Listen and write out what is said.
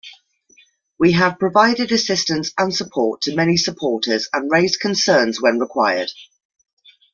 We have provided assistance and support to many supporters and raised concerns when required.